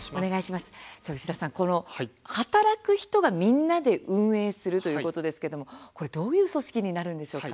牛田さん、この働く人がみんなで運営するということですけれどもどういう組織になるんでしょうか。